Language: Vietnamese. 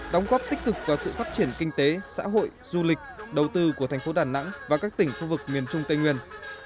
đóng góp tích cực vào sự phát triển kinh tế xã hội du lịch đầu tư của tp đà nẵng và các tỉnh phương vực miền trung tây nguyên